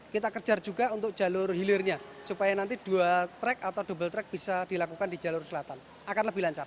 kita kejar juga untuk jalur hilirnya supaya nanti dua track atau double track bisa dilakukan di jalur selatan akan lebih lancar